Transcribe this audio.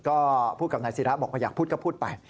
ก็พูดกับนายศิราบอกว่าอยากพูดก็พูดไป